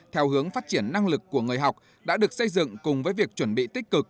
theo hướng phát triển năng lực của người học đã được xây dựng cùng với việc chuẩn bị tích cực